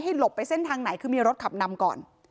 หลบไปเส้นทางไหนคือมีรถขับนำก่อน